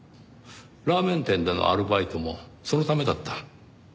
ラーメン店でのアルバイトもそのためだった。